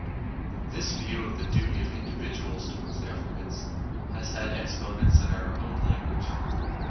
This view of the duty of individuals towards Governments has had exponents in our own language.